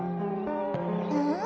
うん？